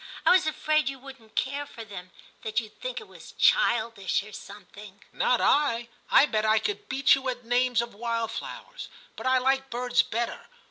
I was afraid you wouldn't care for them ; that you'd think it was childish or something.' * Not I. I bet I could beat you at the names of wildflowers ; but I like birds better.